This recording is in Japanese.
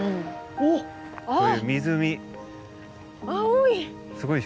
青い！